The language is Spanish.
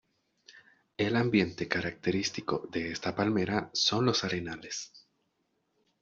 El ambiente característico de esta palmera son los arenales.